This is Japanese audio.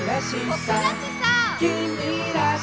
ぼくらしさ！